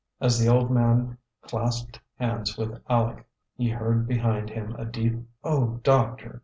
As the old man clasped hands with Aleck, he heard behind him a deep, "O Doctor!"